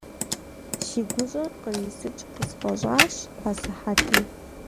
Си гущӀэр кърисыкӀ къысфӀэщӀащ асыхьэтым.